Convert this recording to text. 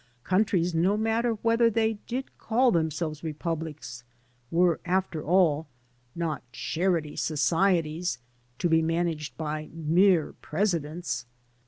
Countries, no matter whether they did call themselves republics, were, after all, not charity societies to be managed by mere presidents.